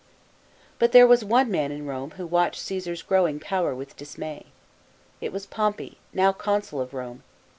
But there was one man in Rome who watched Caesar's growing power with dismay. It was Pom pey, now consul of Rome.